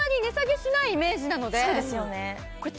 そうですよね